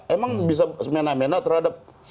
emang bisa semena mena terhadap